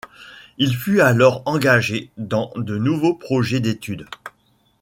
Il fut alors engagé dans de nouveaux projets d'études.